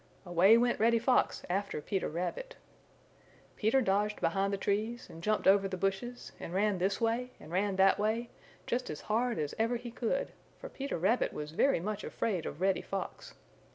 Away went Reddy Fox after Peter Rabbit. Peter dodged behind the trees, and jumped over the bushes, and ran this way and ran that way, just as hard as ever he could, for Peter Rabbit was very much afraid of Reddy Fox.